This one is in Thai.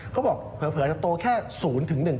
เขาบอกเผลอจะโตแค่๐๑